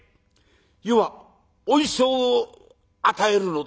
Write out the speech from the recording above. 余は恩賞を与えるのだ。